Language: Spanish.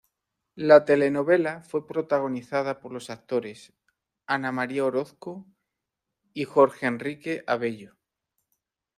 La telenovela fue protagonizada por los actores Ana María Orozco y Jorge Enrique Abello.